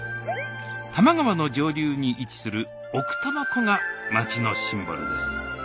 多摩川の上流に位置する奥多摩湖が町のシンボルです。